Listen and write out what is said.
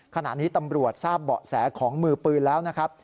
ขณะนี้ตำรวจทราบเบาะแสของมือปืนแล้วนะครับ